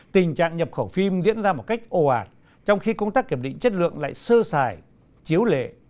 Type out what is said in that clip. tình trạng nhập khẩu phim diễn ra một cách ồ ạt trong khi công tác kiểm định chất lượng lại sơ xài chiếu lệ